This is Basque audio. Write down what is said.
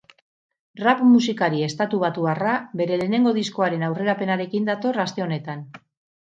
Rap-musikari estatubatuarra bere lehenengo diskoaren aurrerapenarekin dator aste honetan.